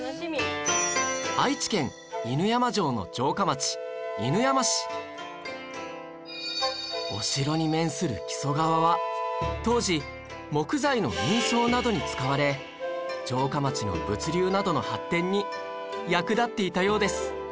愛知県お城に面する木曽川は当時木材の運送などに使われ城下町の物流などの発展に役立っていたようです